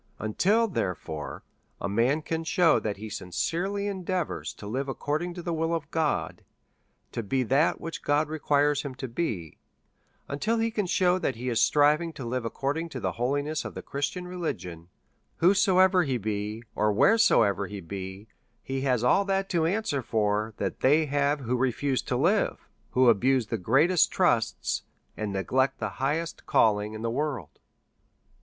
Till, therefore, a man can shew that he sincerely endeavours to live according to the will of God, to be that which God requires him to be ; till he can shew that he is striving to live according to the holiness of the Christian religion ; whosoever he be, or whereso ever he be, he has all that to answer for that they have who refuse to live, who abuse the greatest trusts, and neglect the hiahest calling in the workl DEVOUT AND HOLY LIFE.